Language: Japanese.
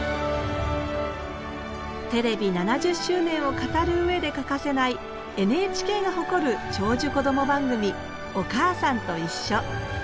テレビ７０周年を語る上で欠かせないＮＨＫが誇る長寿こども番組「おかあさんといっしょ」。